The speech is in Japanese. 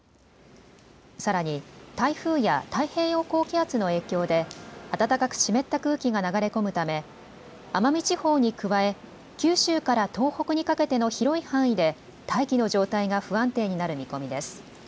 さらに台風や太平洋高気圧の影響で暖かく湿った空気が流れ込むため奄美地方に加え九州から東北にかけての広い範囲で大気の状態が不安定になる見込みです。